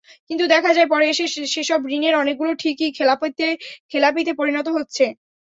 কিন্তু দেখা যায়, পরে এসে সেসব ঋণের অনেকগুলো ঠিকই খেলাপিতে পরিণত হচ্ছে।